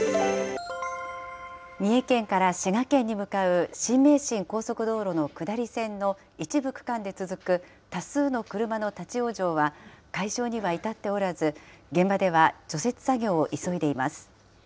三重県から滋賀県に向かう新名神高速道路の下り線の一部区間で続く多数の車の立往生は、解消には至っておらず、現場では除雪作業を急いでいます。